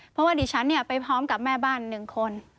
เพราะว่าดิฉันไปพร้อมกับแม่บ้านหนึ่งคน